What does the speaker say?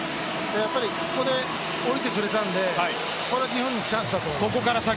ここで降りてくれたので、これは日本にチャンスだと思います。